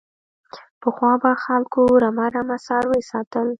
پخوا به خلکو رمه رمه څاروي ساتل.